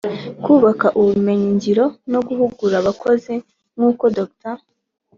kubaka ubumenyi ngiro no guhugura abakozi; nk’uko Dr